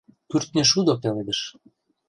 — Кӱртньышудо пеледыш.